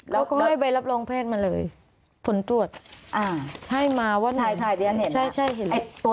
เขาก็ให้ใบรับโรงแพทย์มาเลยสนตรวจให้มาว่าเห็น